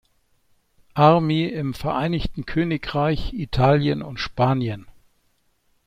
Army im Vereinigten Königreich, Italien und Spanien.